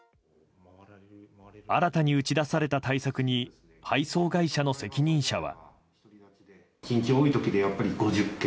新たに打ち出された対策に配送会社の責任者は。